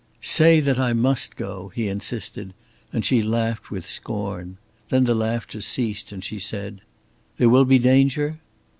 "Say that I must go!" he insisted, and she laughed with scorn. Then the laughter ceased and she said: "There will be danger?"